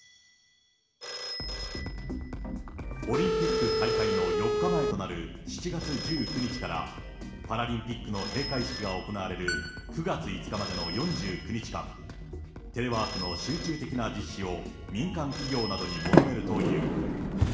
オリンピック開会の４日前となる７月１９日から、パラリンピックの閉会式が行われる９月５日までの４９日間、テレワークの集中的な実施を民間企業などに求めるという。